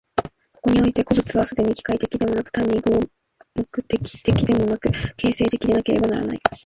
ここにおいて個物は既に機械的でもなく、単に合目的的でもなく、形成的でなければならない。